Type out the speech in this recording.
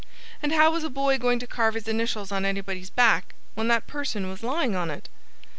And how was a boy going to carve his initials on anybody's back, when that person was lying on it?